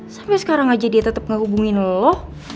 sampai sekarang aja dia tetep gak hubungin lo